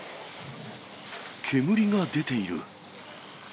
煙が出ている。